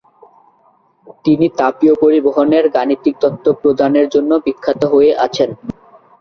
তিনি তাপীয় পরিবহনের গাণিতিক তত্ত্ব প্রদানের জন্য বিখ্যাত হয়ে আছেন।